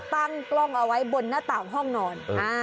ตั้งกล้องเอาไว้บนหน้าต่างห้องนอน